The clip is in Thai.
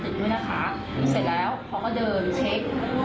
ก็ว่าเขาอาจจะเข้าห้องกอก่อน